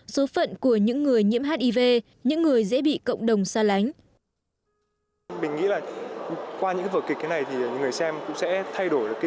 số phận của những người nhiễm hiv những người dễ bị cộng đồng xa lánh